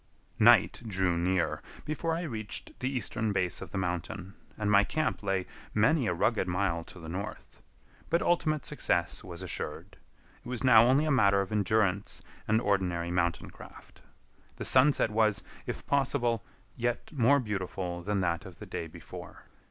Night drew near before I reached the eastern base of the mountain, and my camp lay many a rugged mile to the north; but ultimate success was assured. It was now only a matter of endurance and ordinary mountain craft. The sunset was, if possible, yet more beautiful than that of the day before.